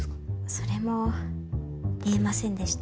それも見えませんでした